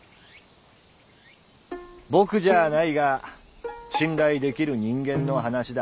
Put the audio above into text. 僕じゃあないが信頼できる人間の話だ。